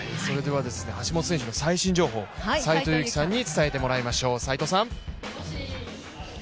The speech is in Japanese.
橋本選手の最新情報、斎藤佑樹さんに伝えてもらいましょう。